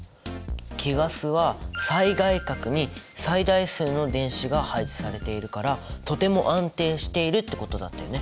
貴ガスは最外殻に最大数の電子が配置されているからとても安定しているってことだったよね。